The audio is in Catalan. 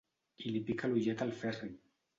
I li pica l'ullet al Ferri.